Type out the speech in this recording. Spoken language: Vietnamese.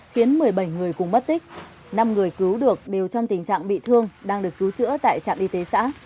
khiến một mươi bảy người cùng mất tích năm người cứu được đều trong tình trạng bị thương đang được cứu chữa tại trạm y tế xã